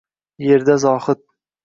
Yerda zohid